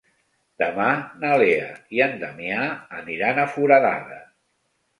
Demà na Lea i en Damià aniran a Foradada.